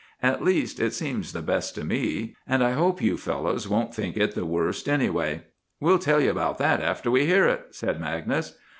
At least, it seems the best to me; and I hope you fellows won't think it the worst, anyway." "We'll tell you about that after we hear it," said Magnus.